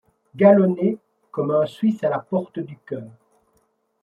Galonné comme un suisse à la porte du choeur